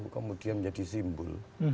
kemudian menjadi simbol